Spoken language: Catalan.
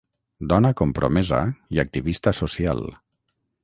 Dona compromesa i activista social.